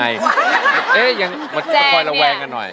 ร้องได้ให้ร้อง